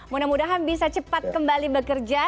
mudah mudahan bisa cepat kembali bekerja